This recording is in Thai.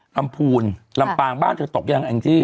กำพูนลำปางบ้านเธอตกยังอังกฤษ